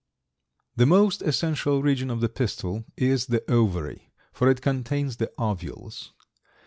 The most essential region of the pistil is the ovary, for it contains the ovules.